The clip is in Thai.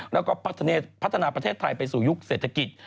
แล้วก็พัฒนาประเทศไทยไปสู่ยุคเศรษฐกิจ